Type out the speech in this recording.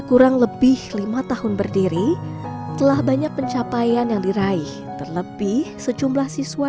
kurang lebih lima tahun berdiri telah banyak pencapaian yang diraih terlebih sejumlah siswa